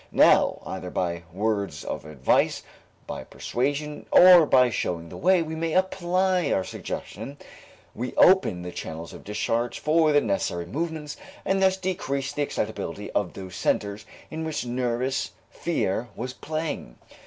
Now either by words of advice, by persuasion or by showing the way, we may apply our suggestion, we open the channels of discharge for the necessary movements and thus decrease the excitability of those centers in which nervous fear was playing.